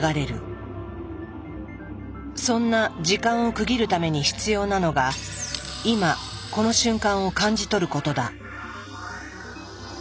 そんな時間を区切るために必要なのが今この瞬間を感じ取ることだ。